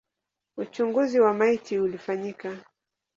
Uchunguzi wa maiti ulifanyika.